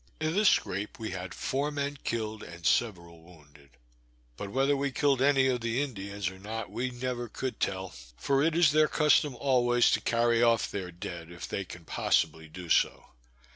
In this scrape we had four men killed, and several wounded; but whether we killed any of the Indians or not we never could tell, for it is their custom always to carry off their dead, if they can possibly do so.